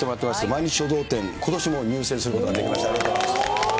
毎日書道展、ことしも入選することができました、ありがとうございます。